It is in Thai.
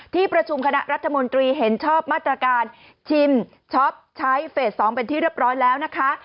ที่ประชุมคณะรัฐมนตรีเห็นชอบมาตรการชิมช็อปใช้เฟส๒เป็นที่เรียบร้อยแล้วนะคะ